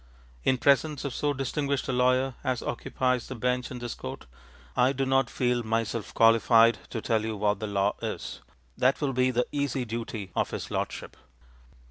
In presence of so distinguished a lawyer as occupies the bench in this court, I do not feel myself qualified to tell you what the law is; that will be the easy duty of his lordship.